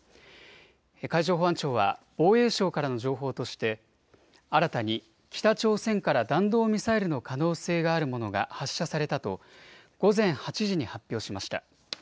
海上保安庁は防衛省からの情報として新たに北朝鮮から弾道ミサイルの可能性があるものが発射されたと午前８時に発表しました。